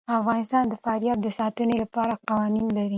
افغانستان د فاریاب د ساتنې لپاره قوانین لري.